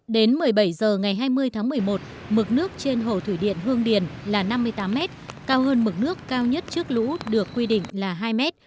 đến một mươi bảy h ngày hai mươi tháng một mươi một mực nước trên hồ thủy điện hương điền là năm mươi tám m cao hơn mực nước cao nhất trước lũ được quy định là hai m